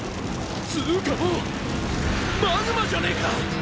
つうかもうマグマじゃねえか！